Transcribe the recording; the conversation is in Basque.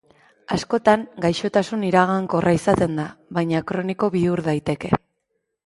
Askotan, gaixotasun iragankorra izaten da, baina kroniko bihur daiteke.